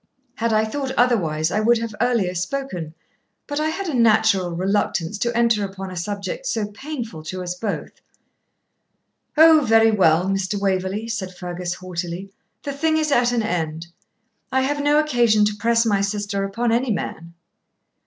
Had I thought otherwise I would have earlier spoken; but I had a natural reluctance to enter upon a subject so painful to us both.' 'O, very well, Mr. Waverley,' said Fergus, haughtily, 'the thing is at an end. I have no occasion to press my sister upon any man.'